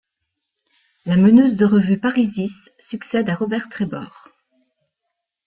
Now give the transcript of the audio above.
La meneuse de revue Parisys succède à Robert Trébor.